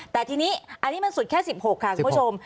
แต่ทีนี้อันนี้มันสุดแค่๑๖ค่ะคุณผู้ชม